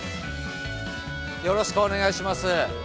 よろしくお願いします。